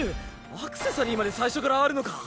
アクセサリーまで最初からあるのか！